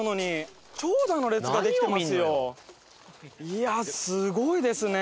いやすごいですね。